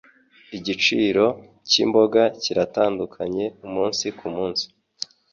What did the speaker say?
Igiciro cyimboga kiratandukanye umunsi kumunsi.